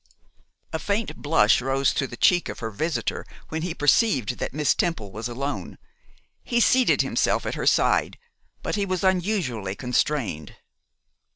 A faint blush rose to the cheek of her visitor when he perceived that Miss Temple was alone. He seated himself at her side, but he was unusually constrained.